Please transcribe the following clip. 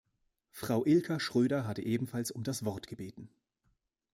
Frau Ilka Schröder hatte ebenfalls um das Wort gebeten.